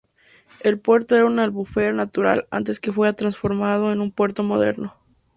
El puerto era una albufera natural antes que fuera transformado en un puerto moderno.